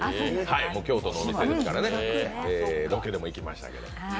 京都の老舗ですからね、ロケでも行きましたけど。